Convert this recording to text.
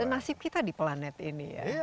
dan nasib kita di planet ini ya